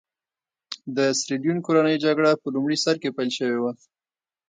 د سیریلیون کورنۍ جګړه په لومړي سر کې پیل شوې وه.